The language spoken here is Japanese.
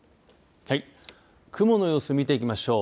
雲の様子、見ていきましょう。